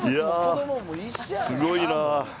すごいなあ。